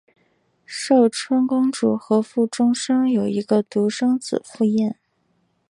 寿春公主和傅忠生有一个独生子傅彦。